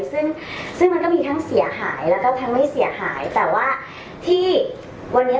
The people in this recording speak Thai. ซึ่งซึ่งมันก็มีทั้งเสียหายแล้วก็ทั้งไม่เสียหายแต่ว่าที่วันนี้